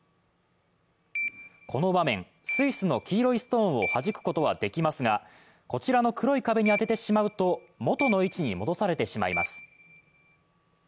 この場面、スイスの黄色いストーンを弾くことはできますが、こちらの黒い壁に当ててしまうと、元の位置に戻されてしまいます。